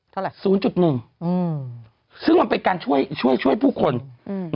เท่าไหร่ศูนย์จุดหนึ่งอืมซึ่งมันเป็นการช่วยช่วยช่วยผู้คนอืม